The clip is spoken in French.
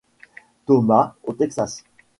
Thomas, au Texas.